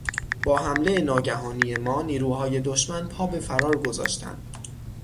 با حملهٔ ناگهانی ما نیروهای دشمن پا بفرار گذاشتند.